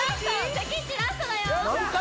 関っちラストだよ！